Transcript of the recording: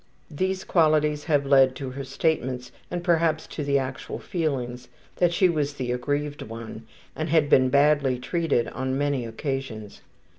These qualities have led to her statements, and perhaps to the actual feelings, that she was the aggrieved one, and had been badly treated on many occasions.